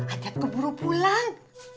ajak keburu pulang